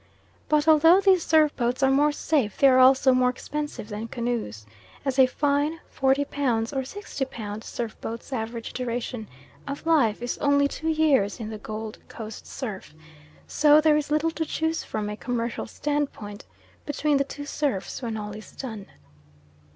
But although these surf boats are more safe they are also more expensive than canoes, as a fine 40 or 60 pounds surf boat's average duration of life is only two years in the Gold Coast surf, so there is little to choose from a commercial standpoint between the two surfs when all is done.